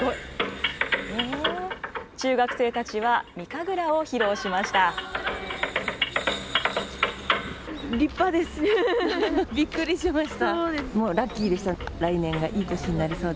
中学生たちは御神楽を披露しました。